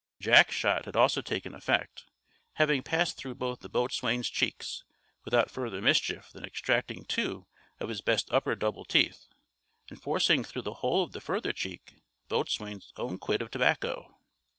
Jack's shot had also taken effect, having passed through both the boatswain's cheeks, without further mischief than extracting two of his best upper double teeth and forcing through the hole of the further cheek the boatswain's own quid of tobacco.